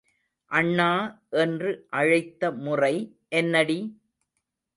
அண்ணா என்று அழைத்த முறை என்னடி?